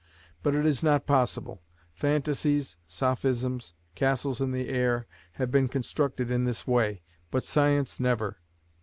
But it is not possible: phantasies, sophisms, castles in the air, have been constructed in this way, but science never.